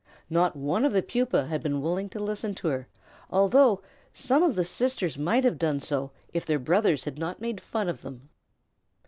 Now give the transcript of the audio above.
Not one of the Pupæ had been willing to listen to her, although some of the sisters might have done so if their brothers had not made fun of them.